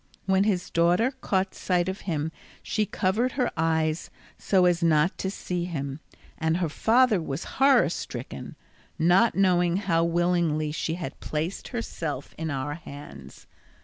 When his daughter caught sight of him she covered her eyes so as not to see him, and her father was horror stricken, not knowing how willingly she had placed herself in our hands.